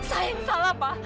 saya yang salah pak